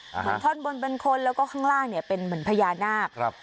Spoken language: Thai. เหมือนท่อนบนบนคนแล้วก็ข้างล่างเนี่ยเป็นเหมือนพญานาคครับ